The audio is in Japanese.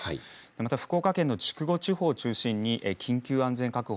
また福岡県の筑後地方を中心に緊急安全確保